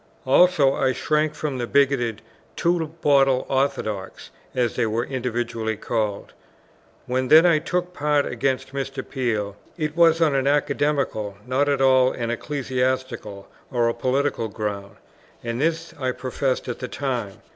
Also I shrank from the bigoted "two bottle orthodox," as they were invidiously called. When then I took part against Mr. Peel, it was on an academical, not at all an ecclesiastical or a political ground; and this I professed at the time.